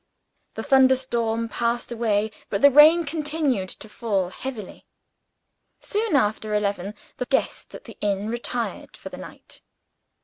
The thunderstorm passed away; but the rain continued to fall heavily. Soon after eleven the guests at the inn retired for the night.